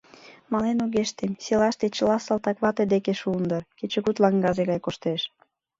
Мален огеш тем — селаште чыла салтаквате деке шуын дыр — кечыгут лаҥгазе гай коштеш.